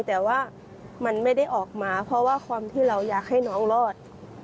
แต่ว่ามันไม่ได้ออกมาเพราะว่าความที่เราอยากให้น้องรอด